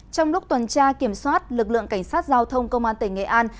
trong lúc tuần tra kiểm soát lực lượng cảnh sát giao thông công an tỉnh nghệ an